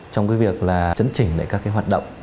trong cái việc là chấn chỉnh các hoạt động